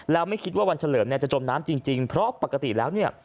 แล้วไม่คิดว่าวันเฉลิมเนี่ยจะจมน้ำจริงเพราะปกติแล้วเนี่ย